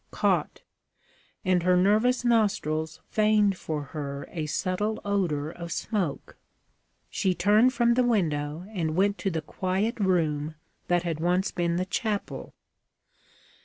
Caught; and her nervous nostrils feigned for her a subtle odor of smoke. She turned from the window and went to the quiet room that had once been the chapel.